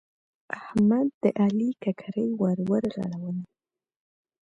احمد د علي ککرۍ ور ورغړوله.